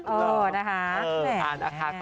เออนะคะ